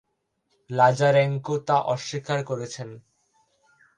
Lazarenko তা অস্বীকার করেছেন।